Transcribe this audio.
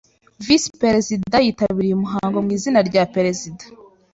Visi-perezida yitabiriye umuhango mu izina rya perezida.